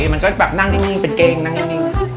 มันก็แบบนั่งนิ่งเป็นเกงนั่งนิ่ง